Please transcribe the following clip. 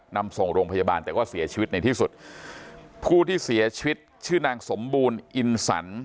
นำส่งโรงพยาบาลแต่ก็เสียชีวิตในที่สุดผู้ที่เสียชีวิตชื่อนางสมบูรณ์อินสัน